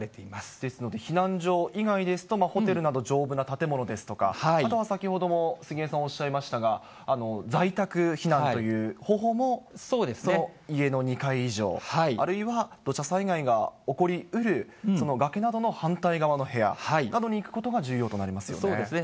ですので、避難所以外ですと、ホテルなど丈夫な建物ですとか、あとは先ほども杉江さんおっしゃっいましたが、在宅避難という方法も、家の２階以上、あるいは土砂災害が起こりうる崖などの反対側の部屋などに行くこそうですね。